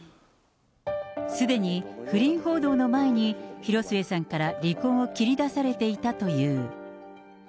すでに不倫報道の前に、広末さんから離婚を切り出されていたという。